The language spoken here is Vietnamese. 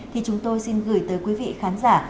thì chúng tôi xin gửi tới quý vị khán giả